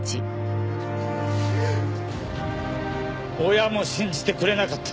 親も信じてくれなかった。